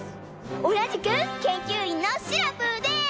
おなじくけんきゅういんのシナプーです！